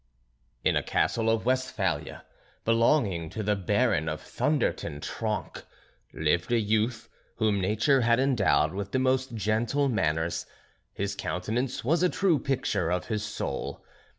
In a castle of Westphalia, belonging to the Baron of Thunder ten Tronckh, lived a youth, whom nature had endowed with the most gentle manners. His countenance was a true picture of his soul.